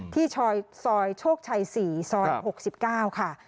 ที่ซอยโชคชัย๔ซอย๖๙ค่ะ